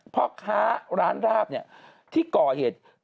พ่อค้าร้านราบเนี่ยที่ก่อเหตุ